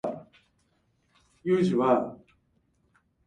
犬どもはううとうなってしばらく室の中をくるくる廻っていましたが、